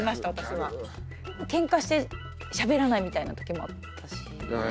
ケンカしてしゃべらないみたいな時もあったし。